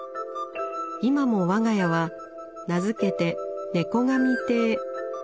今も我が家は名付けて「猫神亭」。